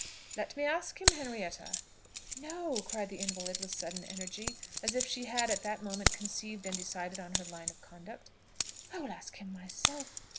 "Let me ask him, Henrietta." "No!" cried the invalid with sudden energy, as if she had at that moment conceived and decided on her line of conduct. "I will ask him myself!